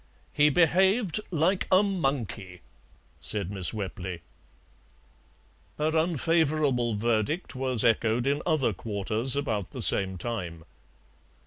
"He behaved like a monkey," said Miss Wepley. Her unfavourable verdict was echoed in other quarters about the same time.